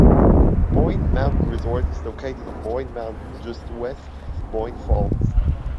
Boyne Mountain Resort is located on Boyne Mountain just west of Boyne Falls.